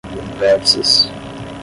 vértices